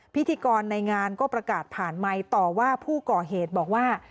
พิธีกรในงานก็ประกาศผ่านไมค์ต่อว่าผู้ก่อเหตุบอกว่า